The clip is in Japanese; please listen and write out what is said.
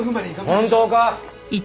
本当か？